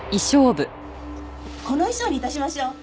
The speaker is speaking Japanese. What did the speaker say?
この衣装に致しましょう。